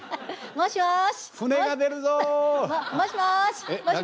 もしもし！